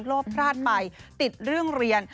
โลกพลาดไปติดเรื่องเรียน